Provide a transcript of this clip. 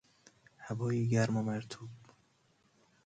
هوای گرم و مرطوب